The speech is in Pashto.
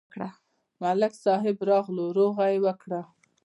ملک صاحب راغی، روغه یې وکړه.